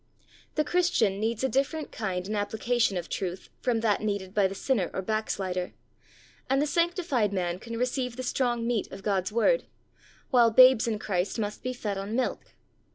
The Christian needs a different kind and application of truth from that needed by the sinner or backslider, and the sanctified man can receive the strong 110 THE soul winner's SECRET. meat of God's Word, while babes in Qirist must be fed on milk.